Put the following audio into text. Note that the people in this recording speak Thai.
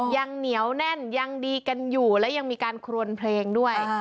ยังเหนียวแน่นยังดีกันอยู่และยังมีการครวนเพลงด้วย